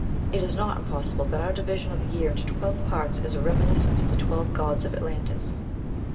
It is not impossible that our division of the year into twelve parts is a reminiscence of the twelve gods of Atlantis.